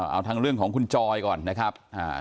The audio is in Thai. เอาทั้งเรื่องของคุณจอยก่อนนะครับ